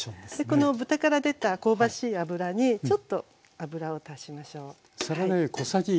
でこの豚から出た香ばしい脂にちょっと油を足しましょう。